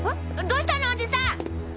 どうしたのオジさん！？